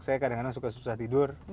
saya kadang kadang suka susah tidur